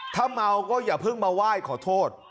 ถ้าเมาก็อย่าเพิ่งมาไหว้ขอโทษ